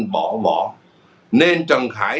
bỏ bỏ nên trần khải